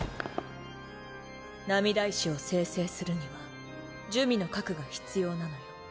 涙石を精製するには珠魅の核が必要なのよ。